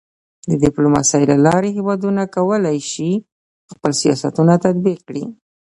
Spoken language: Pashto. د ډيپلوماسۍ له لارې هېوادونه کولی سي خپل سیاستونه تطبیق کړي.